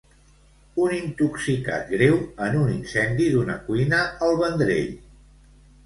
Un intoxicat greu en un incendi d'una cuina al Vendrell.